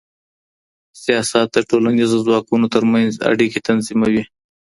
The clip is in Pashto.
سياست د ټولنيزو ځواکونو ترمنځ اړيکې تنظيموي.